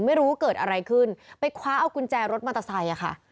ไม่รู้เกิดอะไรขึ้นไปคว้าเอากุญแจรถมัตตาไซค่ะ